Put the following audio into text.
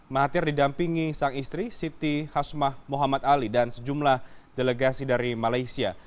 mahathir didampingi sang istri siti hasmah muhammad ali dan sejumlah delegasi dari malaysia